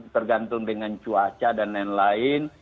tergantung dengan cuaca dan lain lain